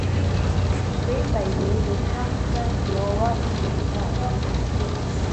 Day by day the sun sank lower in the sky.